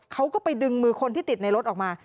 เขาก็ไปดึงมือคนที่ติดในรถออกมา